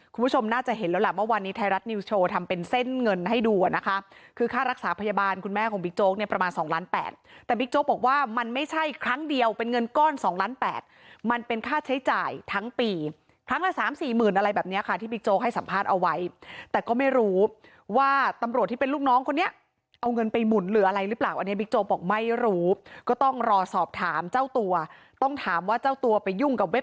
คุณผู้ชมน่าจะเห็นแล้วแหละว่าวันนี้ไทยรัฐนิวส์โชว์ทำเป็นเส้นเงินให้ดูนะคะคือค่ารักษาพยาบาลคุณแม่ของบิ๊กโจ๊กเนี่ยประมาณ๒ล้าน๘แต่บิ๊กโจ๊กบอกว่ามันไม่ใช่ครั้งเดียวเป็นเงินก้อน๒ล้าน๘มันเป็นค่าใช้จ่ายทั้งปีครั้งละ๓๔หมื่นอะไรแบบนี้ค่ะที่บิ๊กโจ๊กให้สัมภาษณ์เอาไว้แต